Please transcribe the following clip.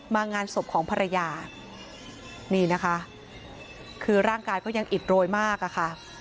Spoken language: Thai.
งานศพของภรรยานี่นะคะคือร่างกายก็ยังอิดโรยมากอะค่ะ